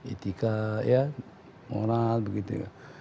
etika moral begitu